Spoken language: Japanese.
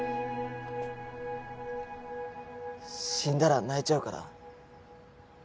死んだら泣いちゃうから。